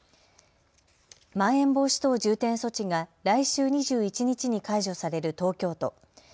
まん延防止等重点措置が来週２１日に解除される東京都。